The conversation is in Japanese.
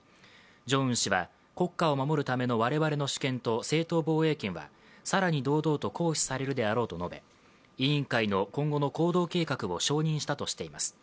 ジョンウン氏は国家を守るための我々の主権と正当防衛権は更に堂々と行使されるであろうと述べ委員会の今後の行動計画を承認したとしています。